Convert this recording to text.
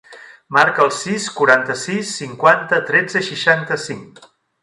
Marca el sis, quaranta-sis, cinquanta, tretze, seixanta-cinc.